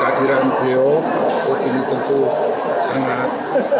bagaimana cara memperbaiki kemampuan yang ada di masjid